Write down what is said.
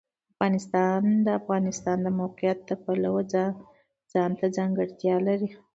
افغانستان د د افغانستان د موقعیت د پلوه ځانته ځانګړتیا لري.